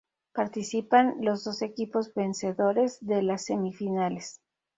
Participan los dos equipos vencedores de las semifinales.